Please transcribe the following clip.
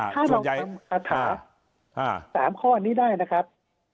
ถ้าเรากลับมาถาสามข้อเท่านี้ได้นะครับ